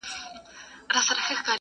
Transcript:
ډیري به واورو له منبره ستا د حورو کیسې،